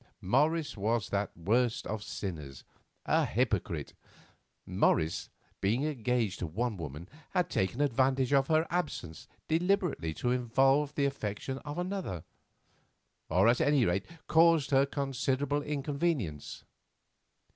Morris was that worst of sinners, a hypocrite. Morris, being engaged to one woman, had taken advantage of her absence deliberately to involve the affections of another, or, at any rate, caused her considerable inconvenience.